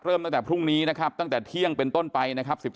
ตั้งแต่พรุ่งนี้นะครับตั้งแต่เที่ยงเป็นต้นไปนะครับ